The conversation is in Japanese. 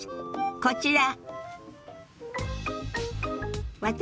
こちら。